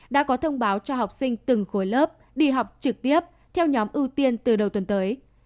đã có thông báo cho học sinh từng khối lớp đi học trực tiếp theo nhóm ưu tiên từ đầu tuần tới